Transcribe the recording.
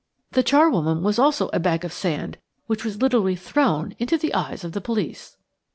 The charwoman was also a bag of sand which was literally thrown in the eyes of the police."